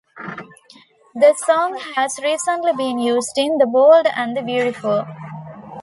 The song has recently been used in "The Bold and the Beautiful".